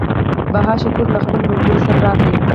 بهاشکر له خپلو ملګرو سره راغی.